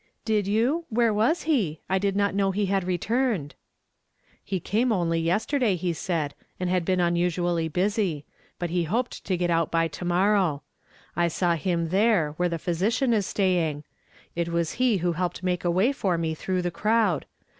"Did you? Where was he? I did not know he had retuiiied." "Ho came only yesterday, lio said, and liad been unusually busy ; but he hojjed to get out by to morrow. I saw him there, where the physician is staying. It was he who helped to make a way for me through the crowd.